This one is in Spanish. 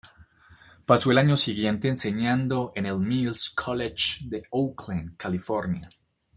Pasó el año siguiente enseñando en el Mills College de Oakland, California.